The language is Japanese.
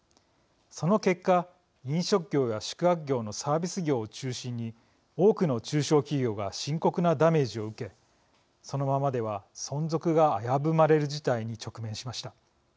その結果、飲食業や宿泊業のサービス業を中心に多くの中小企業が深刻なダメージを受けそのままでは存続が危ぶまれる事態に直面しました。